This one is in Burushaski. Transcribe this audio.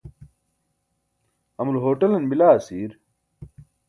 amulo hoṭalan bila asiir?